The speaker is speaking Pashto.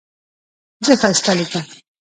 زه ښایسته لیکم.